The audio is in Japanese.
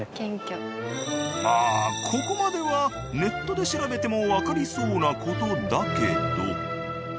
まあここまではネットで調べてもわかりそうな事だけど。